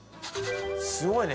すごいね！